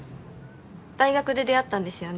大学で出会ったんですよね？